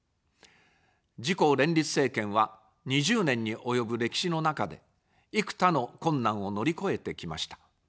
自公連立政権は、２０年に及ぶ歴史の中で、幾多の困難を乗り越えてきました。